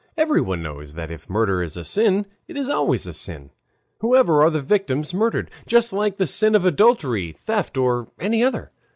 Everyone knows that if murder is a sin, it is always a sin, whoever are the victims murdered, just like the sin of adultery, theft, or any other.